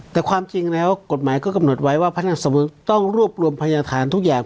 แต่ความจริงแล้วกฎหมายก็กำหนดไว้ว่าพนักงานสอบสวนต้องรวบรวมพยาฐานทุกอย่าง